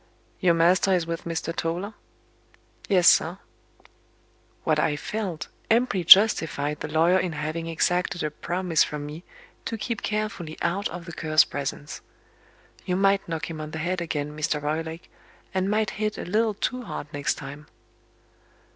"Your master is with Mr. Toller?" "Yes, sir." What I felt, amply justified the lawyer in having exacted a promise from me to keep carefully out of the Cur's presence. "You might knock him on the head again, Mr. Roylake, and might hit a little too hard next time."